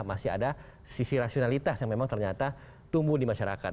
masih ada sisi rasionalitas yang memang ternyata tumbuh di masyarakat